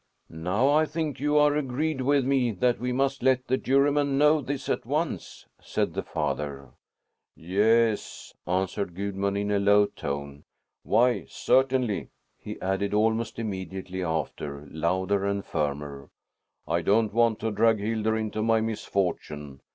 "Now I think you are agreed with me that we must let the Juryman know this at once," said the father. "Yes," answered Gudmund in a low tone. "Why, certainly!" he added almost immediately after, louder and firmer. "I don't want to drag Hildur into my misfortune.